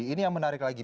ini yang menarik lagi